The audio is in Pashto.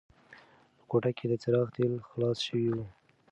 په کوټه کې د څراغ تېل خلاص شوي وو.